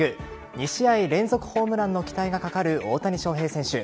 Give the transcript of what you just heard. ２試合連続ホームランの期待がかかる大谷翔平選手。